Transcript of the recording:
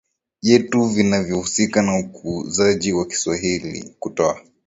yetu vinavyohusika na ukuzaji wa Kiswahili Kutoa